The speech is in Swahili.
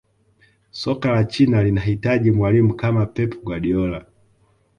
soka la china linahitaji mwalimu kama pep guardiola